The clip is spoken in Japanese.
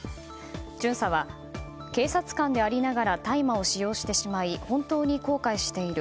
巡査は警察官でありながら大麻を使用してしまい本当に後悔している。